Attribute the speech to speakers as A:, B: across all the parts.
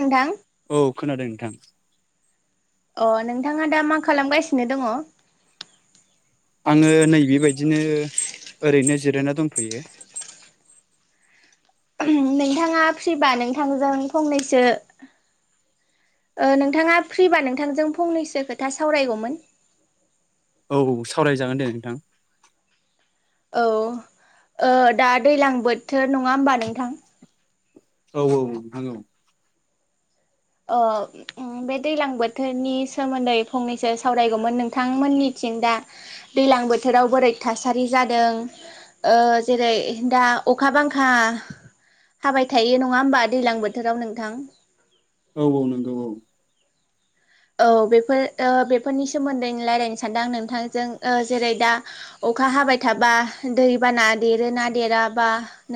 A: नोंथां
B: औ खोनादों नोंथां।
A: अ नोंथाङा दा मा खालामगासिनो दङ?
B: आङो नै बेबायदिनो ओरैनो जिरायना दंथयो
A: नोंथाङा फ्रिबा नोंथजों फंनैसो नोंथाङा फ्रिबा नोंथांजों फंनैसो खोथा सावरायगौमोन
B: औ औ सावरायजागोन दे नोंथां
A: औ ओ दा दैलां बोथोर नङा होमबा नोंथां
B: औ औ आङौ
A: अ बे दैलां बोथोरनि सोमोन्दै फंनैसो सावरायगौमोन नोंथांमोननिथिं दा दैलां बोथोराव बोरै थासारि जादों ओ जेरै दा अखा बांखा हाबाय थायो नङा होमबा दैलां बोथोराव नोंथां
B: औ औ नंगौ औ
A: औ बेफोर ओ बेफोरनि सोमोन्दै रायज्लायनो सानदोंं नोंथांजों ओ जेरै दा अखा हाबाय थाबा दैबाना देरोना देरा बा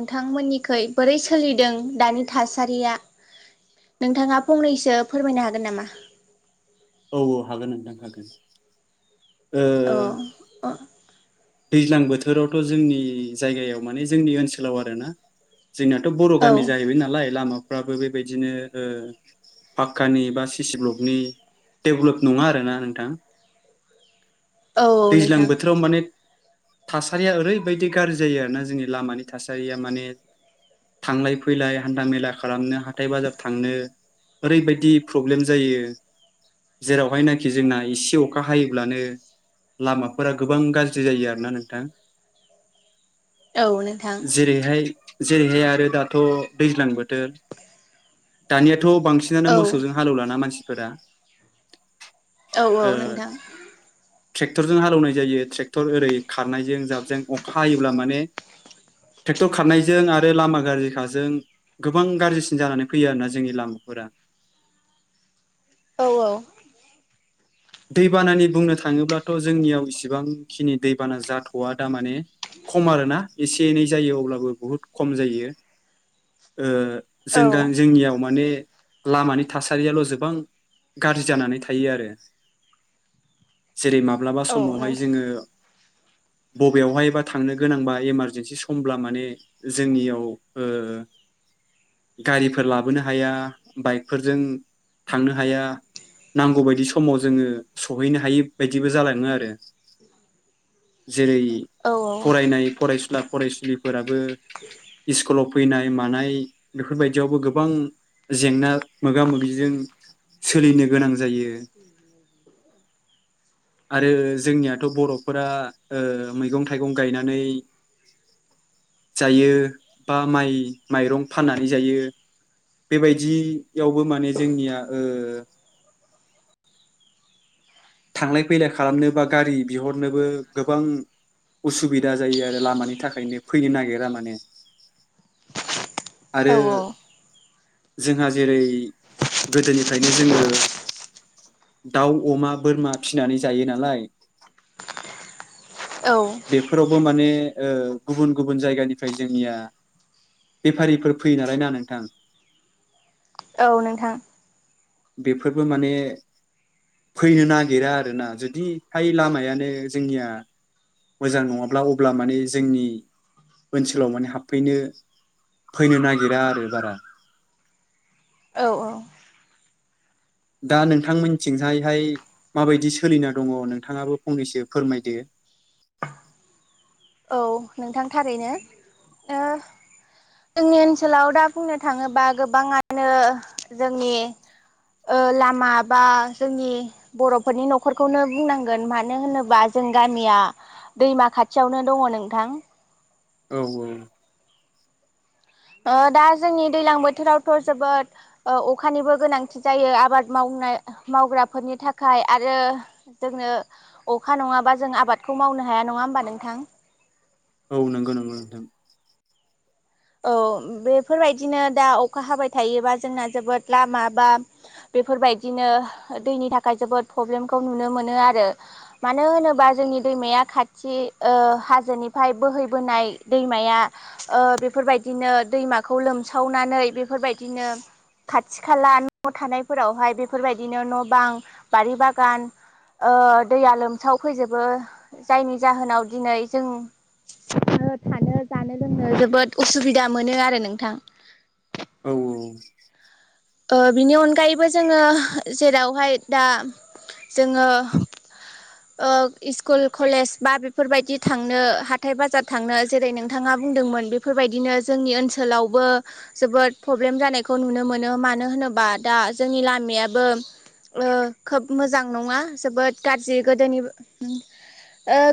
A: नोंथांमोननिखुइ बोरै सोलिदों दानि थासारिया नोंथाङा फंनैसो फोरमायनो हागोन नामा
B: औ औ हागोन नोंथां हागोन ओ
A: अ अ
B: दैज्लां बोथोरावथ' जोंनि जायगायाव माने जोंनि ओनसोलाव आरोना जोंनियाथ' बर'
A: औ
B: गामि जाहैबाय नालाय लामा फ्राबो बेबायदिनो पाक्कानि बा सिसि ब्लकनि डेभलप नङा आरोना नोंथां
A: औ
B: दैज्लां
A: नोंथां
B: बोथोराव माने थासारिया ओरैबायदि गाज्रि जायो आरोना जोंनि लामानि थासारिया माने थांलाय फैलाय हान्था मेला खालामनो हाथाय बाजार थांनो ओरैबायदि प्रब्लेम जायो जेरावहायनाखि जोंना एसे अखा हायोब्लानो लामाफोरा गोबां गाज्रि जायो आरो ना नोंथां
A: औ नोंथां
B: जेरैहाय जेरैहाय आरो दाथ' दैज्लां बोथोर दानिया थ' बांसिनानो
A: औ
B: मोसजों हालौ लाना मानसि फोरा
A: औ औ नोंथां
B: ट्रेक्टरजों हालौनाय जायो ट्रेक्टर ओरै खारनायजों जाबजों अखा हायोब्ला माने ट्रेक्टर खारनायजों आरो लामा गाज्रिखाजों गोबां गाज्रिसिन जानानै फैयो आरोना जोंनि लामाफोरा
A: औ औ
B: दैबानानि बुंनो थाङोब्लाथ' जोंनियाव इसिबांखिनि दैबाना जाथ' आ दा माने खम आरो ना एसे एनै जायो अब्लाबो बुहुद खम जायो
A: औ
B: जों गां जोंनियाव माने लामानि थासारियाल' गोबां गाज्रि जानानै थायो आरो जेरै माब्लाबा समावहाय
A: नोंथां
B: जोङो बबेयावहायबा थांनो गोनांबा इमारजेेनसि समब्ला माने जोंनियाव गारिफोर लाबोनो हाया बाइकफोरजों थांनो ह नांगौ बायदि समाव जोङो सहैनो हाय बायदिबो जालाङो आरो जेरै
A: औ
B: फरायनाय फरायसुला फरायसुलिफोराबो स्कुलाव फैनाय मानाय बेफोरबायदियावबो गोबां जेंना मोगा मोगिजों सोलिनो गोनां जायो आरो जोंनियाथ' बर'फोरा मैगं थाइगं गायनानै जायो बा माइ माइरं फाननानै जायो बेबायदि बेयावबो माने जोंनिया थांलाय फैलाय खालामनो बा गारि बिहरनोबो गोबां उसुबिदा जायो आरो लामानि थाखायनो फैनो नागिरा माने
A: औ
B: आरो जोंहा जेरै गोदोनिफ्रायनो जोङो दाउ अमा बोरमा फिसिनानै जायो नालाय
A: औ
B: बेफोरावबो माने गुबुन गुबुन जायगानिफ्राय जोंनिया बेफारिफोर फैयो नालायनाा नोंथां
A: औ नोंथां
B: बेफोरबो माने फैनो नागिरा आरोना जुदिहाय लामायानो जोंनिया मोजां नङाब्ला अब्ला माने जोंनि ओनसोलाव माने हाबफैनो फैनो नागिरा आरो बारा
A: औ औ
B: दा नोंथांमोनथिंहायहाय माबायदि सोलिना दङ नोंथाङाबो फंनैसो फोरमायदो
A: औ नोंथां थारैनो जोंनि ओनसोलाव दा बुंनो थाङोबा गोबाङानो जोंनि लामा बा जोंनि बर'फोरनि न'खरखौनो बुंनांगोन मानो होनोबा जों गामिया दैमा खाथियावनो दङ नोंथां
B: औ औ
A: दा जोंनि दैलां बोथोरावथ' जोबोद अखानिबो गोनांथि जायो आबाद मावनाय मावग्राफोरनि थाखाय आरो जोंनो अखा नङाबा जों आबादखौ मावनो हाया नङा होमबा नोंथां
B: औ नंगौ नंगौ नोंथ
A: औ बेफोरबायदिनो दा अखा हाबाय थायोबा जोंना जोबोद लामा बा बेफोरबायदिनो दैनि थाखाय जोबोद प्रब्लेमखौ नुनो मोनो आरो मानो होनोबा जोंनि दैमाया खाथि हाजोनिफ्राय बोहैबोनाय दैमाया बे बेफोरबायदिनो दैमाखौ लोमसावनानै बेफोरबायदिनो खाथि खाला न' थानायफोरावहाय बेफोरबायदिनो न' बां बारि बागान दैया लोमसावफैजोबो जायनि जाहोनाव दिनै जों थानो जानो लोंनो जोबोद उसुबिदा मोनो आरो नोंथां
B: औ औ
A: बिनि अनगायैबो जोङो जेरावहाय दा जोङो स्कुल कलेज बा बेफोरबायदि थांनो हाथाय बाजार थांनो जेरै नोंथाङा बुंदोंमोन बेफोरबायदिनो जोंनि ओनसोलावबो जोबोद प्रब्लेम जानायखौ नुनो मोनो मा मानो होनोबा दा जोंनि लामायाबो खोब मोजां नङा जोबोद गाज्रि गोदोनि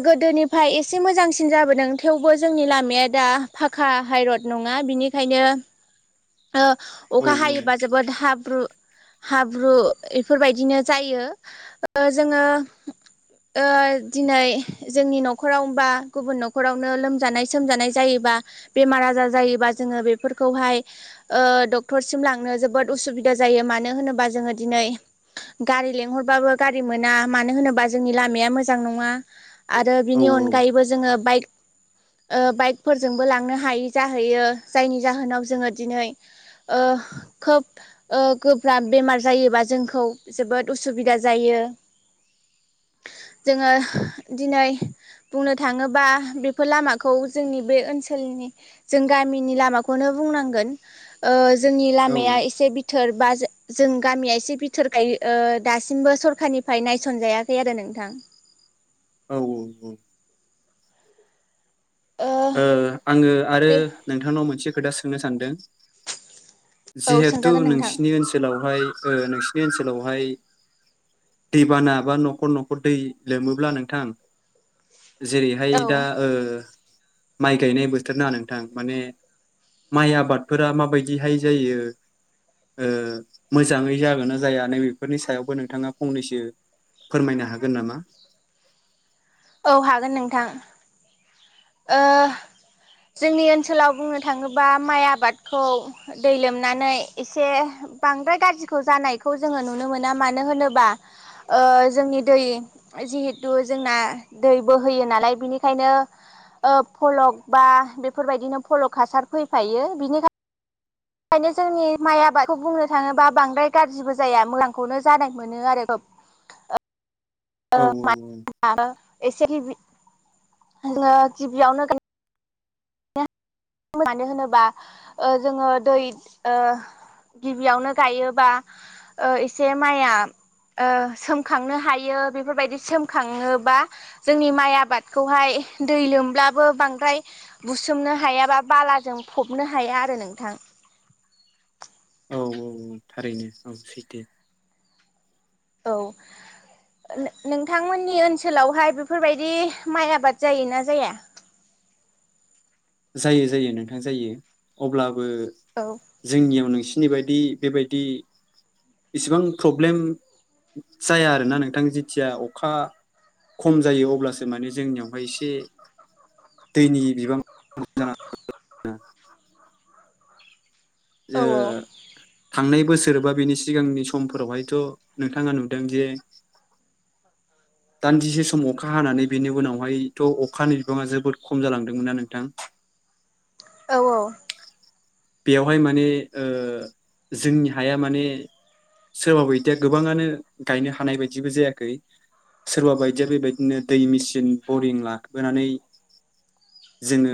A: गोदोनिफ्राय एसे मोजांसिन जाबोदों थेवबो जोंनि लामाया दा फाखा हाइरड नङा बिनिखायनो
B: औ
A: अखा हायोबा हाब्रु हाब्रु बेफोरबायदिनो जायो जोङो दिनै जोंनि न'खरावबा गुबुन न'खरावनो लोमजानाय सोमजानाय जायोबा बेमार आजार जायोबा जोङो बेफोरखौहाय डक्टरसिम लांनो जोब जोबोद उसुबिदा जायो मानो होनोबा जोङो दिनै गारि लेंंहरबाबो गारि मोना मानो होनोबा जोंनि लामाया मोजां नङा आरो
B: औ
A: बिनि अनगायैबो जोङो बाइक बाइकफोरजोंबो लांनो हायि जाहैयो जायनि जाहोनाव जोङो दिनै खोब गोब्राब बेमार जायोबा जोंखौ जोबोद उसुबिदा जायो जोङो दिनै बुंनो थाङोबा बेफोर लामाखौ जोंनि बे ओनसोलनि जों गामिनि लामाखौनो बुंनांगोन जोंनि
B: औ
A: इसे बिथोर बा जों गामिया एसे बिथोर गायो दासिमबो सरखारनिफ्राय नायसनजायाखै आरो नोंथां
B: औ औ औ
A: ओ
B: आङो आरो
A: बे
B: नोंथांनाव मोनसे खोथा सोंनो सानदों
A: औ
B: जिहेथु
A: सोंजागोन नोंथां
B: नोंसिनि ओनसोलावहाय नोंसिनि ओनसोलावहाय दैबाना बा न'खर न'खर दै लोमोब्ला नोंथां
A: औ
B: जेरैहाय दा माइ गायनाय बोथोर ना नोंथां माने माइ आबादफोरा माबायदिहाय जायो मोजाङै जागोन ना जाया नैबेफोरनि सायावबो नोंथाङा फंनैसो फोरमायनो हागोन नामा
A: औ हागोन नोंथां जोंनि ओनसोलाव बुंनो थाङोबा माइ आबादखौ दै लोमनानै एसे बांद्राय गाज्रिखौ जानायखौ जोङो नुनो मोना मानो होनोबा जोंनि दै जिहेथु जोंना दै बोहयो नालाय बिनिखायनो फलक बा बेफोरबायदिनो फलक हासार फैफायो बिनिखायनो। बे ओंखायनो जोंनि माइ आबादखौ बुंनो थाङोबा बांद्राय गाज्रिबो जाया मोजांखौनो जानाय मोनो आरो।
B: औ औ
A: [unintelligible] एसे गिबि जोङो गिबियावनो मानो होनोबा जोङो दै गिबियावनो गायोबा एसे माइआ सोमखांनो हायो बेफोरबायदि सोमखाङोबा जोंनि माइ आबादखौहाय दै लोमब्लाबो बांद्राय बुसोमनो हायाबा बालाजों फबनो हाया आरो नोंथां
B: औ औ औ थारैनो औ सैथो
A: औ नोंथांमोननि ओनसोलावहाय बेफोरबायदि माइ आबाद जायोना जाया?
B: जायो जायो नोंथां जायो अब्ला
A: औ
B: जोंनियाव नोंसि सिनि बायदि बेबायदि इसेबां प्रब्लेम जाया आरोना नोंथां जेथिया अखा खम जायो अब्लासो माने जोंनियावहाय एसे दैनि बिबांआ [unintelligible]
A: औ
B: थांनाय बोसोर सोरबा बेनि सिगांनि समफोरावहायथ' नोंथाङा नुदों जे दान्दिसे सम अखा हानानै बेनि उनावहायथ' अखानि बिबाङा जोबोद खम जालांदोंमोनना नोंथां।
A: औ
B: बेयावहाय माने जोंनि हाया माने सोरबा बायदिया गोबाङानो गायनो हानाय बायदिबो जायाखै सोरबा बायदिया बेबायदिनो दै मेचिन बरिं लाबोनानै जोङो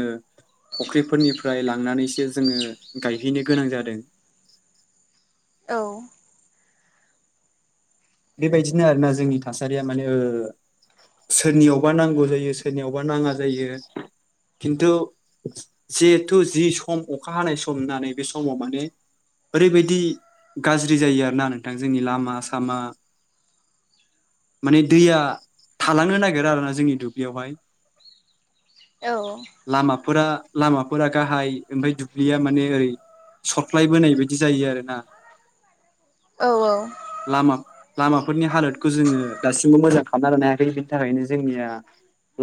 B: फुख्रिफोरनिफ्राय लांनानैसो जोङो गायहैनो गोनां जादों।
A: औ।
B: बेबायदिनो आरोना जोंनि थासारिया माने सोरनियावबा नांगौ जायो सोरनियावबा नाङा जायो खिन्थु जिहेथु जि सम अखा हानाय सम होननानै बे समाव माने ओरैबायदि गाज्रि जायो आरोना नोंथां जोंनि लामा सामा माने दैया थालांनो नागिर आरोना जोंनि दुब्लियावहाय।
A: औ
B: लामाफोरा लामाफोरा गाहाय ओमफ्राय दुब्लिया माने ओरै सरफ्लायबोनाय बायदि जायो आरो ना।
A: औ औ
B: नि हालोदखौ जोङो दासिमबो मोजां खालामना ल हायाखै बिनि थाखायनो जोंनिया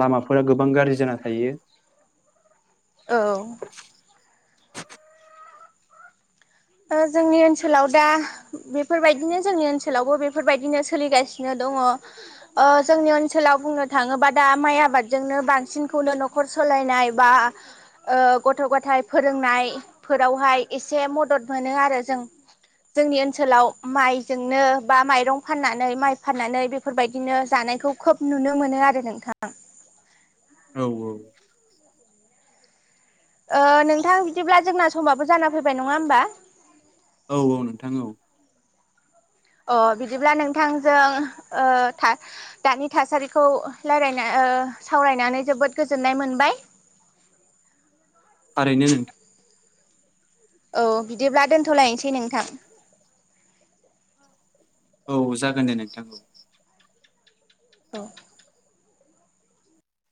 B: लामाफोरा गोबां गाज्रि जाना थायो।
A: औ जोंनि ओनसोलाव दा बेफोरबायदिनो जोंनि ओनसोलावबो बेफोरबायदिनो सोलिगासिनो दङ जोंनि ओनसोलाव बुंनो थाङोबा दा माइ आबादजोंनो बांसिनखौनो न'खर सालायनाय बा गथ' गथाय फोरोंनायफोरावहाय एसे मदद जों जोंनि ओनसोलाव माइजोंनो बा माइरं फाननानै माइ फाननानै बेफोरबायदिनो जानायखौ खोब नुनो मोनो आरो नोंथां
B: औ औ
A: नोंथां बिदिब्ला जोंना समाबो जाना फैबाय नङा होमबा।
B: औ औ नोंथां औ
A: अ बिदिब्ला नोंथांजों दानि थासारिखौ रायलायना सावरायनानै जोबोद गोजोननाय मोनबाय।
B: ओरैनो नों
A: औ बिदिब्ला दोनथ'लायनोसै नोंथां।
B: औ जागोन दे नोंथांखौ
A: अ